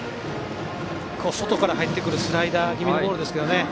外から入ってくるスライダー気味のボール。